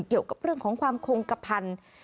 เกี่ยวกับเรื่องของความคงกระพันธุ์